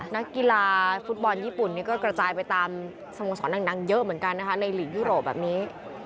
นักกีฬาฟุตบอลญี่ปุ่นนี้ก็กระจายไปตามสโมสรดังเยอะเหมือนกันนะคะในหลีกยุโรปแบบนี้